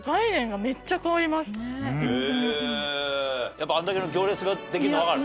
やっぱあれだけの行列ができるのわかる？